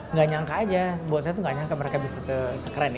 nggak nyangka aja buat saya tuh gak nyangka mereka bisa sekeren